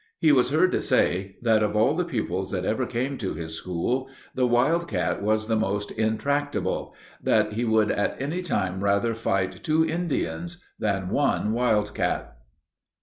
He was heard to say, that of all the pupils that ever came to his school, the wildcat was the most intractable; that he would at any time rather fight two Indians than one wildcat.